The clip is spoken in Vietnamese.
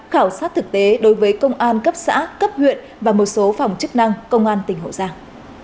khảo sát thực tế đối với công an cấp xã cấp huyện và một số phòng chức năng công an tỉnh hậu giang